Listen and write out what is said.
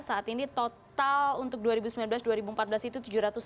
saat ini total untuk dua ribu sembilan belas dua ribu empat belas itu tujuh ratus sembilan puluh